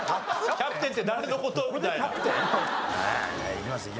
キャプテンって誰の事？みたいな。